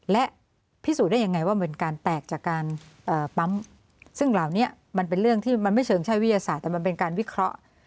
และพิสูจน์ได้ยังไงว่ามันเป็นการแตกจากการปั๊มซึ่งเหล่านี้มันไม่เชิงใช้วิทยาศาสตร์แต่มันเป็นการวิเคราะห์